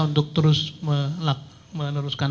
untuk terus meneruskan